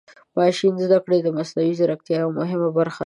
ماشین زده کړه د مصنوعي ځیرکتیا یوه مهمه برخه ده.